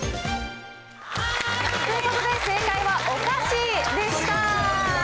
ということで、正解はお菓子でした。